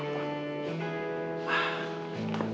memang apa sih dia